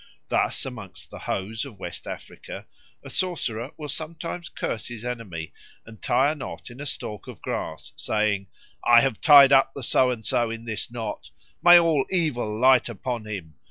Thus among the Hos of West Africa a sorcerer will sometimes curse his enemy and tie a knot in a stalk of grass, saying, "I have tied up So and so in this knot. May all evil light upon him!